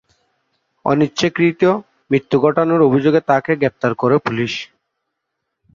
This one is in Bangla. অনিচ্ছাকৃত মৃত্যু ঘটানোর অভিযোগে তাকে গ্রেপ্তার করে পুলিশ।